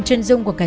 trên dung của cả dân